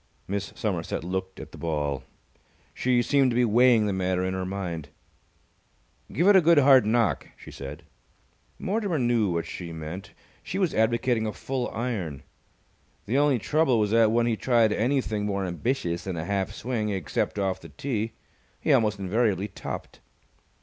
Miss Somerset looked at the ball. She seemed to be weighing the matter in her mind. "Give it a good hard knock," she said. Mortimer knew what she meant. She was advocating a full iron. The only trouble was that, when he tried anything more ambitious than a half swing, except off the tee, he almost invariably topped.